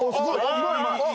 うまいうまい。